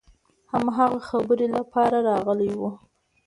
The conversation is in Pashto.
هماغه خبرې لپاره راغلي وو.